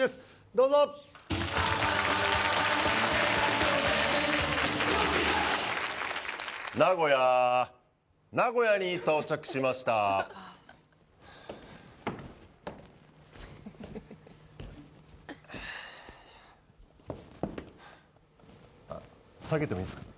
どうぞ名古屋名古屋に到着しましたよいしょあっ下げてもいいすか？